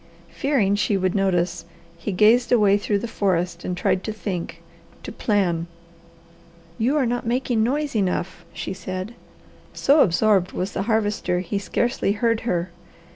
Fearing she would notice, he gazed away through the forest and tried to think, to plan. "You are not making noise enough," she said. So absorbed was the Harvester he scarcely heard her.